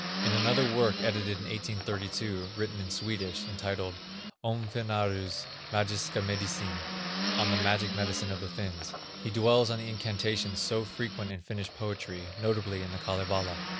In another work edited in 1832, written in Swedish, entitled: Om Finnarues Magiska Medicin (On the Magic Medicine of the Finns), he dwells on the incantations so frequent in Finnish poetry, notably in the Kalevala.